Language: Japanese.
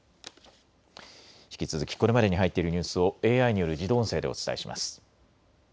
引き続きこれまでに入っているニュースをＡＩによる自動音声でお伝えします。